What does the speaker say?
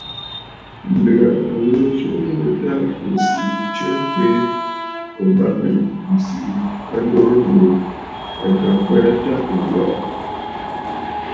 Ǹdèghà a ghɨrə nswoŋ mə ta ò siʼi nstsə ŋkweè, ̀o bâŋnə̀ ǹsiʼi ŋka dorə nòô. À ka kwɛɛ ta ò yɔʼɔ.